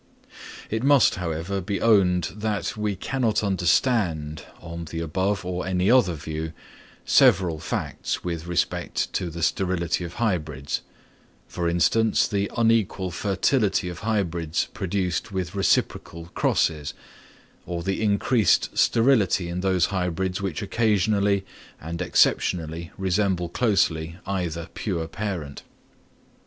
It must, however, be owned that we cannot understand, on the above or any other view, several facts with respect to the sterility of hybrids; for instance, the unequal fertility of hybrids produced from reciprocal crosses; or the increased sterility in those hybrids which occasionally and exceptionally resemble closely either pure parent.